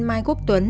mai quốc tuấn